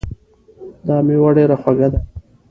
دا میوه ډېره خوږه ده